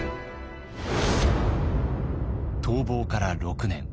逃亡から６年。